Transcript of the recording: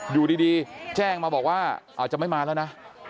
อยู่ดีแจ้งมาบอกว่าอาจจะไม่มาแล้วนะ